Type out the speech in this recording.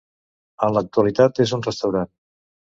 En l'actualitat és un restaurant.